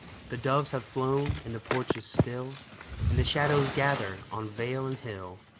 The doves have flown and the porch is still, And the shadows gather on vale and hill.